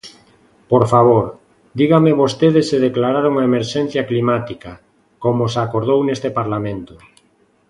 Por favor, dígame vostede se declararon a emerxencia climática, como se acordou neste Parlamento.